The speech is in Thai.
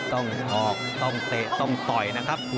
ต้องออกต้องเตะต้องต่อยนะครับ